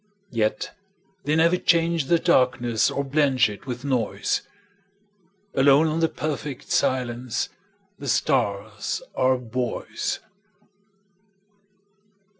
Yet they never change the darknessOr blench it with noise; Alone on the perfect silenceThe stars are buoys.